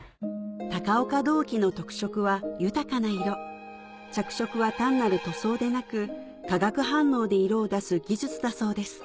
高岡銅器の特色は豊かな色着色は単なる塗装でなく化学反応で色を出す技術だそうです